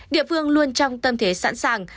địa phương luôn trong tâm thế sẵn sàng